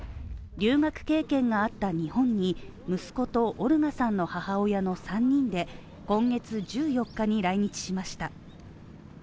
留学経験があった日本に息子とオルガさんの母親の３人で今月１４日に来日しました。